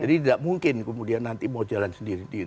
jadi tidak mungkin kemudian nanti mau jalan sendiri sendiri